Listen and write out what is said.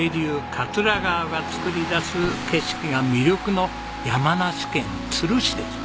桂川が作り出す景色が魅力の山梨県都留市です。